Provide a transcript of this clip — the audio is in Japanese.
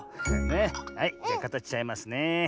はいじゃかたしちゃいますねえ。